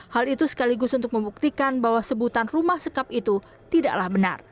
hal itu sekaligus untuk membuktikan bahwa sebutan rumah sekap itu tidaklah benar